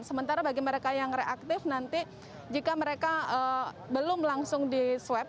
sementara bagi mereka yang reaktif nanti jika mereka belum langsung di swab